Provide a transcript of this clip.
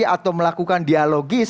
atau melakukan dialogis